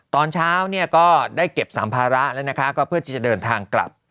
ตอนเช้าก็ได้เก็บสามภาระแล้วเพื่อจะเดินทางกลับ